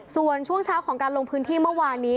ส่วนช่วงเช้าของการลงพื้นที่เมื่อวานนี้